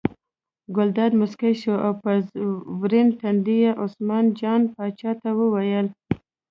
ګلداد موسکی شو او په ورین تندي یې عثمان جان پاچا ته وویل.